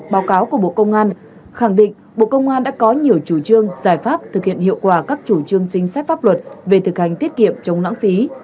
báo cáo của bộ công an khẳng định bộ công an đã có nhiều chủ trương giải pháp thực hiện hiệu quả các chủ trương chính sách pháp luật về thực hành tiết kiệm chống lãng phí